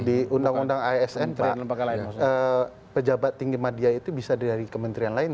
di undang undang asn pejabat tinggi media itu bisa dari kementerian lain